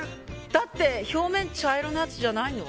だって表面茶色のやつじゃないの？